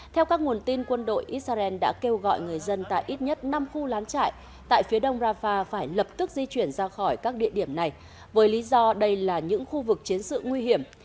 theo các nguồn tin quân đội israel đã kêu gọi người dân tại ít nhất năm khu lán trại tại phía đông rafah phải lập tức di chuyển ra khỏi các địa điểm này với lý do đây là những khu vực chiến sự nguy hiểm